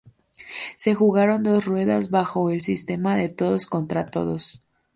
Se jugaron dos ruedas bajo el sistema de todos contra todos.